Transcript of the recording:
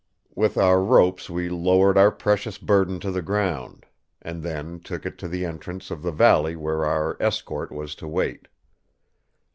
With our ropes we lowered our precious burden to the ground; and then took it to the entrance of the valley where our escort was to wait.